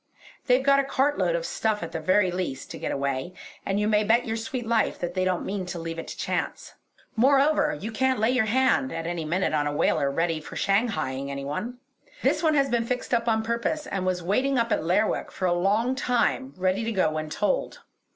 They've got a cartload of stuff at the very least to get away; and you may bet your sweet life that they don't mean to leave it to chance. Moreover, you can't lay your hand at any minute on a whaler ready for shanghaieing any one. This one has been fixed up on purpose, and was waiting up at Lerwick for a long time ready to go when told.